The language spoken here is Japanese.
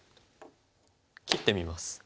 切ってみます。